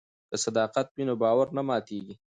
که صداقت وي نو باور نه ماتیږي.